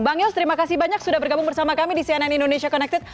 bang yos terima kasih banyak sudah bergabung bersama kami di cnn indonesia connected